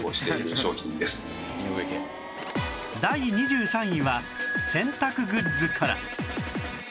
第２３位は洗濯グッズから